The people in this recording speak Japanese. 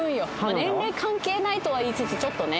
年齢関係ないとは言いつつちょっとね。